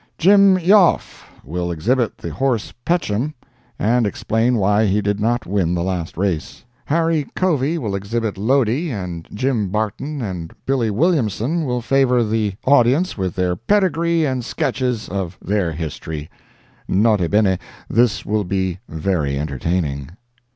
JIM EOFF will exhibit the horse Patchen, and explain why he did not win the last race. HARRIS COVEY will exhibit Lodi and Jim Barton, and BILLY WILLIAMSON will favor the audience with their pedigree and sketches of their history. N.B.—This will be very entertaining.